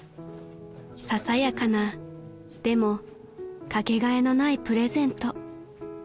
［ささやかなでもかけがえのないプレゼント］